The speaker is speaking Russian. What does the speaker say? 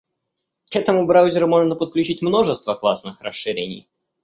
К этому браузеру можно подключить множество классных расширений.